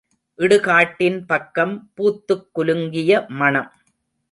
இடு காட்டின் பக்கம் பூத்துக் குலுங்கிய மணம்!